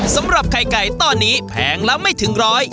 สำหรับไข่ไก่ตอนนี้แพงละไม่ถึงร้อย